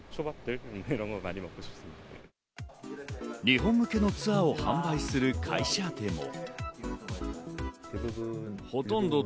日本向けのツアーを販売する会社でも。